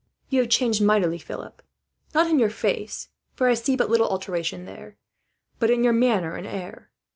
"You have changed, Philip, mightily; not in your face, for I see but little alteration there, but in your manner and air.